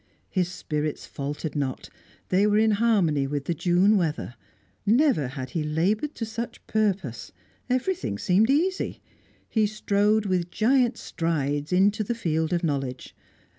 His spirits faltered not; they were in harmony with the June weather. Never had he laboured to such purpose. Everything seemed easy; he strode with giant strides into the field of knowledge.